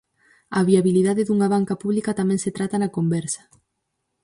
A viabilidade dunha banca pública tamén se trata na conversa.